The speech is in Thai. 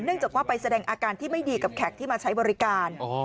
จากว่าไปแสดงอาการที่ไม่ดีกับแขกที่มาใช้บริการ